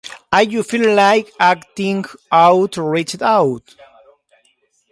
If you feel like acting out, reach out.